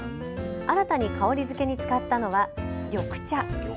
新たに香りづけに使ったのは緑茶。